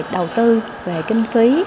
đầu tư về kinh phí